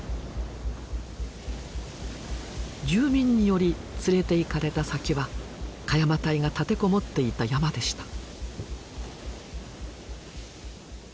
住民により連れていかれた先は鹿山隊が立てこもっていた山でした。